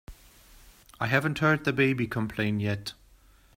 I haven't heard the baby complain yet.